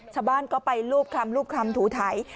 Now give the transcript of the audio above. ชาวบ้านก็ไปลูบคำลูบคำถูทัย